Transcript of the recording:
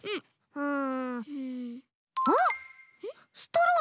うん。